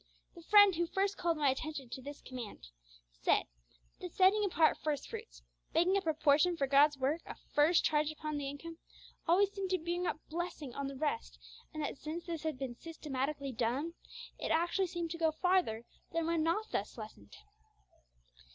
The friend who first called my attention to this command, said that the setting apart first fruits making a proportion for God's work a first charge upon the income always seemed to bring a blessing on the rest, and that since this had been systematically done, it actually seemed to go farther than when not thus lessened.